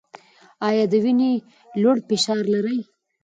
ایا د وینې لوړ فشار لرئ؟